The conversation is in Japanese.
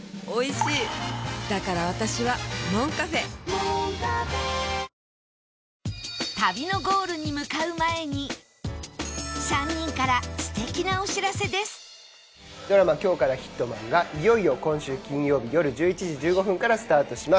「トータル Ｖ クリーム」３人からドラマ『今日からヒットマン』がいよいよ今週金曜日よる１１時１５分からスタートします。